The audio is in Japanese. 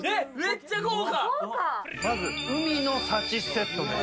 豪華まず海の幸セットです